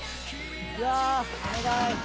「うわあお願い！」